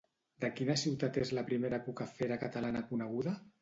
De quina ciutat és la primera Cucafera catalana coneguda?